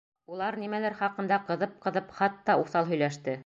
Улар нимәлер хаҡында ҡыҙып-ҡыҙып, хатта уҫал һөйләште.